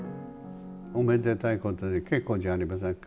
おめでたいことで結構じゃありませんか。